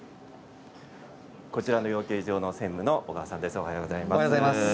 こちらの養鶏場の専務の小川さんです。